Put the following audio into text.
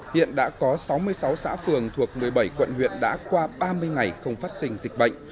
hiện đã có sáu mươi sáu xã phường thuộc một mươi bảy quận huyện đã qua ba mươi ngày không phát sinh dịch bệnh